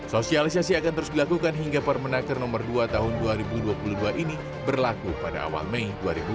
sosialisasi akan terus dilakukan hingga permenaker nomor dua tahun dua ribu dua puluh dua ini berlaku pada awal mei dua ribu dua puluh